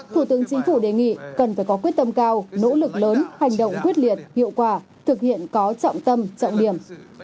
thủ tướng chính phủ đề nghị cần phải có quyết tâm cao nỗ lực lớn hành động quyết liệt hiệu quả thực hiện có trọng tâm trọng điểm